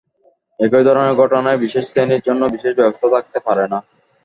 একই ধরনের ঘটনায় বিশেষ শ্রেণির জন্য বিশেষ ব্যবস্থা থাকতে পারে না।